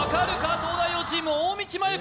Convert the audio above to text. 東大王チーム大道麻優子